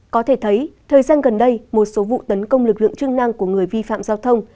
có thể thấy thời gian gần đây một số vụ tấn công lực lượng chức năng của người vi phạm giao thông